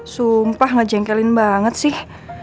sumpah ngejengkelin banget sih